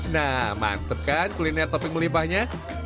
nah mantep kan kuliner topping melimpahnya